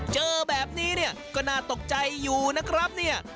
เจอแบบนี้เนี่ยก็น่าตกใจอยู่นะครับเนี่ย